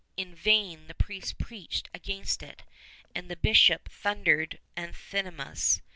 In vain the priests preached against it, and the bishop thundered anathemas.